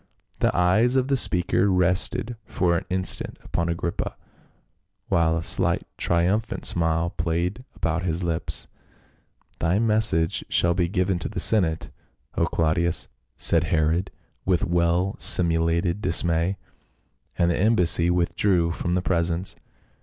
The eyes of the speaker rested for an instant upon Agrippa, while a slight triumphant smile played about his lips. " Thy message shall be given to the senate, O Claudius," said Herod with well simulated dismay, and the embassy withdrew from the presence.